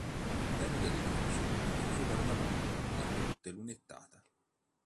L'interno dell'edificio è chiuso da una volta a botte lunettata.